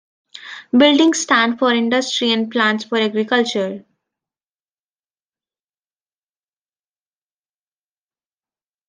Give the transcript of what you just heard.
Buildings stand for industry and plants for agriculture.